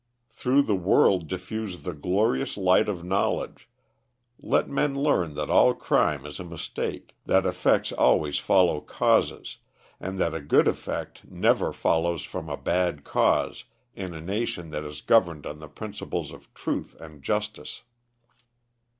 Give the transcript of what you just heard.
Through the world diffuse the glorious light of knowledge, let men learn that all crime is a mistake, that effects always follow causes, and that a good effect never follows from a bad cause in a nation that is governed on the principles of truth and justice.